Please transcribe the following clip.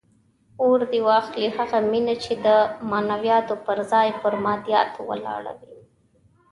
اور دې واخلي هغه مینه چې د معنویاتو پر ځای پر مادیاتو ولاړه وي.